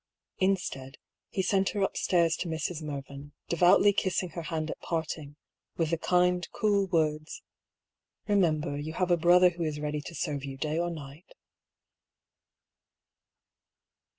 Instead, he sent her upstairs to Mrs. Mervyn, devoutly kissing her hand at parting, with the kind, cool words : "Remember, you have a brother who is ready to serve you day or night."